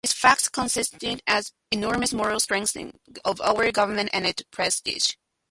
This fact constitutes an enormous moral strengthening of our government and its prestige.